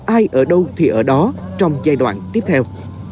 ai ở đâu thì ở đó trong giai đoạn tiếp theo